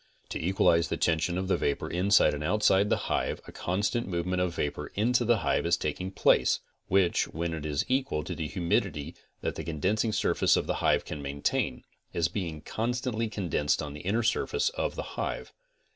To: equalize the tension of the vapor inside and outside the hive a constant movement of vapor into the hive is taking place, which when it is equal to the humidity that the condensing surface of the hive can maintain, is being constantly condensed on the inner surface of the hive.